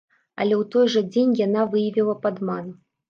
Але ў той жа дзень яна выявіла падман.